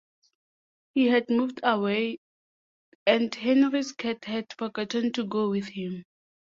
He had moved away, and Henry's Cat had forgotten to go with him.